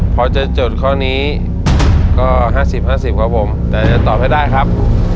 พอจะจดข้อนี้ก็๕๐๕๐ครับผมแต่จะตอบให้ได้ครับ